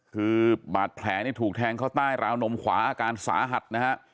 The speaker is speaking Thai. คือบาดแผลเนี่ยถูกแทงเข้าใต้ราวนมขวาอาการสาหัสนะฮะ